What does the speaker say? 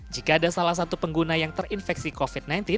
jika ada salah satu pengguna yang terinfeksi covid sembilan belas